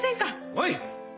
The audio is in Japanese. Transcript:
おい！